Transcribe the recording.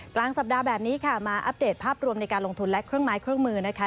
กลางสัปดาห์แบบนี้ค่ะมาอัปเดตภาพรวมในการลงทุนและเครื่องไม้เครื่องมือนะคะ